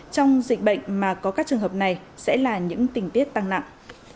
trong dịch bệnh mà có các trường hợp này sẽ là những tình tiết tăng nặng